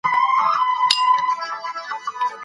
غزني د افغانستان د اوږدمهاله پایښت لپاره خورا مهم رول لري.